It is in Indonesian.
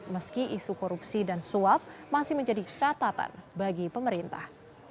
meski isu korupsi dan suap masih menjadi catatan bagi pemerintah